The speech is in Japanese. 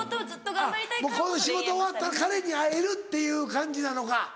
あっもうこの仕事終わったら彼に会えるっていう感じなのか。